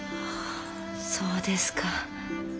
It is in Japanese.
そうですか。